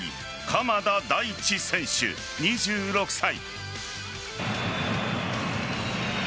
鎌田大地選手、２６歳。